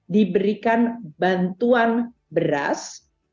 diberikan bantuan beras